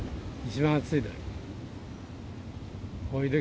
一番暑いだろう。